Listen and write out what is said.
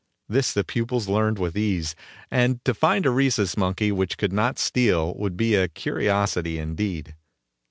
This the pupils learned with ease, and to find a Rhesus Monkey which could not steal would be a curiosity indeed.